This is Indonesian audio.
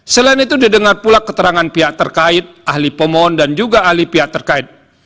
selain itu didengar pula keterangan pihak terkait ahli pemohon dan juga ahli pihak terkait